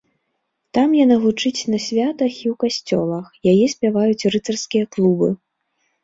Там яна гучыць на святах і ў касцёлах, яе спяваюць рыцарскія клубы.